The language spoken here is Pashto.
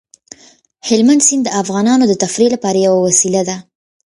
هلمند سیند د افغانانو د تفریح لپاره یوه وسیله ده.